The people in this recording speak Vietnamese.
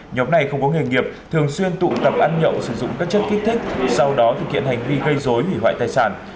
nhóm này không có nghề nghiệp thường xuyên tụ tập ăn nhậu sử dụng các chất kích thích sau đó thực hiện hành vi gây dối hủy hoại tài sản